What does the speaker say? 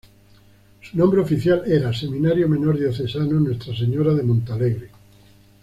Su nombre oficial era "Seminario Menor Diocesano Nuestra Señora de Montalegre".